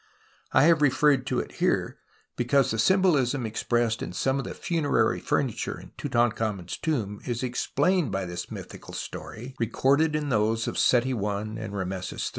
I have referred to it here because the symbolism expressed in some of the funerary furniture in Tutankhamen's tomb 96 TUTANKHAMEN is explained by this mythical story recorded in those of Seti I and Rameses III.